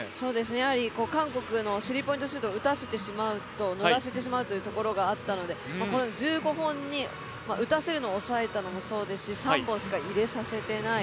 やはり韓国にスリーポイントを打たせてしまうと乗らせてしまうというところがあったのでこの１５本に打たせるのを抑えたのもそうですし３本しか入れさせていない。